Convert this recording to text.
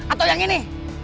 atau yang ini